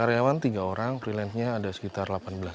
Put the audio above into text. karyawan tiga orang freelance nya ada sekitar delapan belas